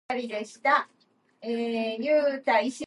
He retired the same year.